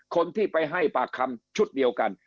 คนที่ไปให้ปากคำชุดเดียวกัน